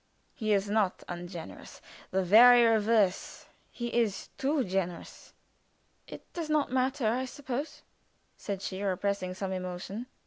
"He is not ungenerous; the very reverse; he is too generous." "It does not matter, I suppose," said she, repressing some emotion.